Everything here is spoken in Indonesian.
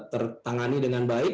tertangani dengan baik